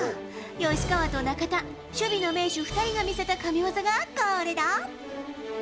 吉川と中田、守備の名手２人が見せた神技がこれだ。